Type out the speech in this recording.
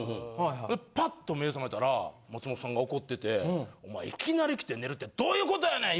パッと目覚めたら松本さんが怒ってて「お前いきなり来て寝るってどういうことやねん！？」